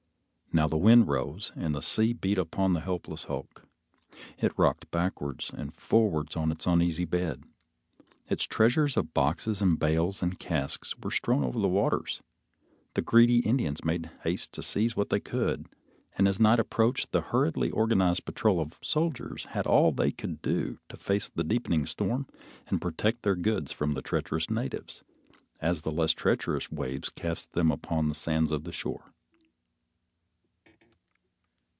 Now the wind rose, and the sea beat upon the helpless hulk. It rocked backwards and forwards on its uneasy bed; its treasures of boxes and bales and casks were strewn over the waters; the greedy Indians made haste to seize what they could; and as night approached the hurriedly organized patrol of soldiers had all that they could do to face the deepening storm and protect their goods from the treacherous natives, as the less treacherous waves cast them upon the sands of the shore.